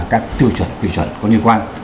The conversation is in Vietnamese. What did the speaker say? các tiêu chuẩn quy chuẩn có liên quan